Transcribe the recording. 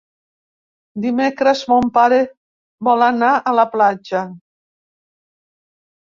Dimecres mon pare vol anar a la platja.